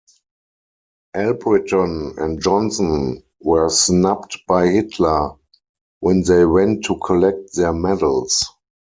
Albritton and Johnson were snubbed by Hitler when they went to collect their medals.